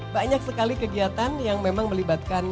banyak sekali kegiatan yang memang melibatkan